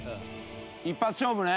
一発勝負ね？